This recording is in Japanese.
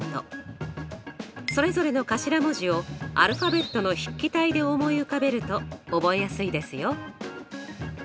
それぞれの頭文字をアルファベットの筆記体で思い浮かべると覚えやすいですよ。